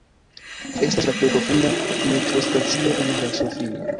Ĝi estas la plej profunda metrostacio en Varsovio.